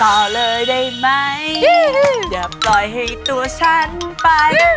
ิงนี่ที่เคยห้ามอะ